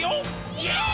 イエーイ！！